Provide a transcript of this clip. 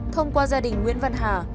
thông qua gia đình nguyễn văn hà